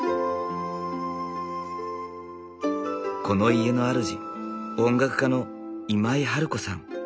この家のあるじ音楽家の今井春子さん。